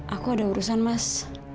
aku ada urusan mas